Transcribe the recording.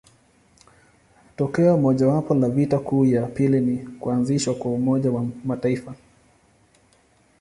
Tokeo mojawapo la vita kuu ya pili ni kuanzishwa kwa Umoja wa Mataifa.